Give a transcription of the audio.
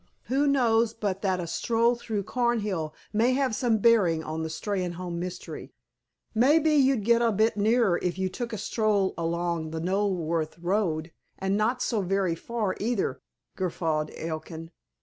Who knows but that a stroll through Cornhill may have some bearing on the Steynholme mystery?" "May be you'd get a bit nearer if you took a stroll along the Knoleworth Road, and not so very far, either," guffawed Elkin.